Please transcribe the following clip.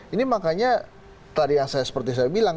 ini makanya tadi seperti yang saya bilang